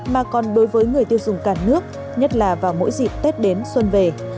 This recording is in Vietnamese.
mà còn đối với người tiêu dùng cả nước nhất là vào mỗi dịp tết đến xuân về